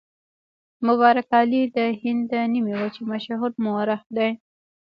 مبارک علي د هند د نیمې وچې مشهور مورخ دی.